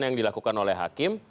yang dilakukan oleh hakim